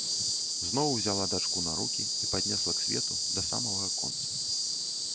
Зноў узяла дачку на рукі і паднесла к свету да самага аконца.